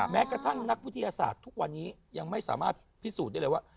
แม้กระทั่งนักวิทยาศาสตร์ทุกวันนี้ยังไม่สามารถพิสูจน์ได้เลยว่า